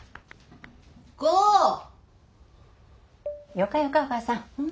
よかよかお母さん。